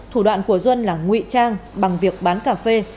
thủ đoạn của duân là nguy trang bằng việc bán cà phê